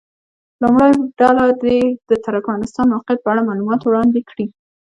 لومړۍ ډله دې د ترکمنستان موقعیت په اړه معلومات وړاندې کړي.